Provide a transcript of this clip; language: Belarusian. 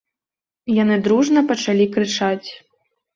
Яны дружна пачалі крычаць.